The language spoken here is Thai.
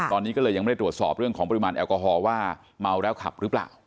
ตอนนี้ก็เลยยังไม่ได้ตรวจสอบเรื่องของปริมาณแอลกอฮอล์ว่าเมาแล้วขับหรือเปล่า